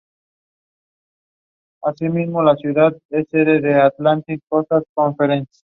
La base de todas nuestras acciones es el mismo "habitus" de clase.